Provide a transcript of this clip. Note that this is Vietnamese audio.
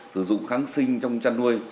sử dụng kháng sinh trong chăn nuôi